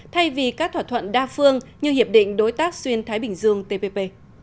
thay vì các thỏa thuận đa phương như hiệp định đối tác xuyên thái bình dương tpp